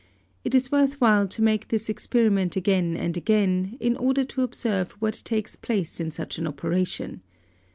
It is worth while to make this experiment again and again, in order to observe what takes place in such an operation.